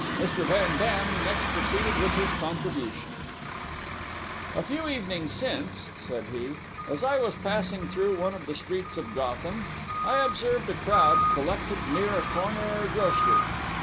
Mr. Van Dam next proceeded with his contribution: "A few evenings since," said he, "as I was passing through one of the streets of Gotham, I observed a crowd collected near a corner grocery.